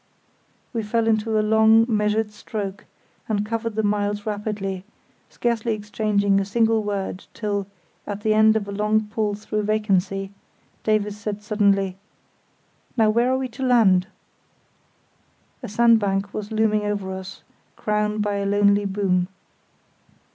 We fell into a long, measured stroke, and covered the miles rapidly, scarcely exchanging a single word till, at the end of a long pull through vacancy, Davies said suddenly: "Now where are we to land?" A sandbank was looming over us crowned by a lonely boom.